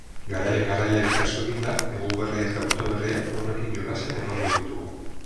Garaian garaiari kasu eginda eguberria eta urteberria haurrekin jolasean emango ditugu.